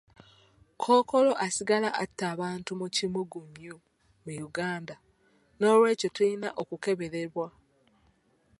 Kkookolo asigala nga atta abantu mu kimugunyu mu Uganda, n'olw'ekyo tulina okukeberebwa.